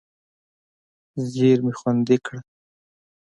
زېرمې خوندي کړه.